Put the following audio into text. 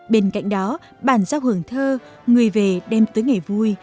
bên cạnh đó bản giao hưởng thơ người về đem tới ngày vui